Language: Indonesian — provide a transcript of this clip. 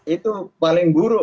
itu paling buruk